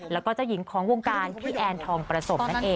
แล้วก็เจ้าหญิงของวงการพี่แอนทองประสมนั่นเอง